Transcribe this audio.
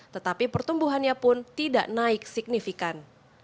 tetapi pertumbuhannya pun tidak naik signifikan